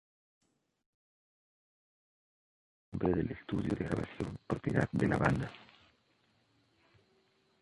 Es además el nombre del estudio de grabación propiedad de la banda.